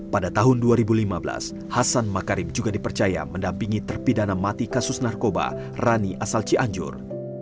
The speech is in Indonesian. pada tahun dua ribu lima belas hasan makarim juga dipercaya mendampingi terpidana mati kasus narkoba rani asal cianjur